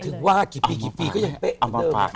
ถึงว่ากี่ปีกี่ปีก็ยังไปเอามาฝาก